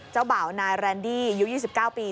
เจ้าบ่าวนายแรนดี้อายุ๒๙ปี